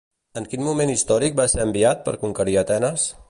En quin moment històric va ser enviat per conquerir Atenes?